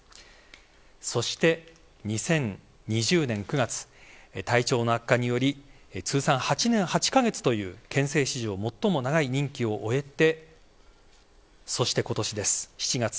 そして、２０２０年９月体調の悪化により通算８年８か月という憲政史上最も長い任期を終えてそして今年、７月。